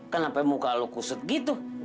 kenapa muka lo kusut gitu